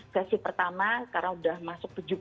sesi pertama karena sudah masuk